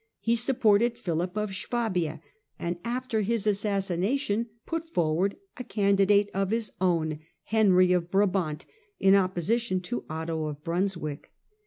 He supported Philip of Swabia, and after his assassination put forward a candidate of his own, Henry of Brabant, in opposition to Otto of Brunswick.